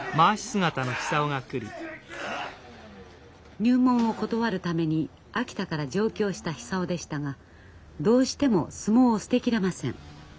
入門を断るために秋田から上京した久男でしたがどうしても相撲を捨て切れません。